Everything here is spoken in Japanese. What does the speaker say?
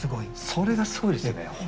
それがすごいですよね。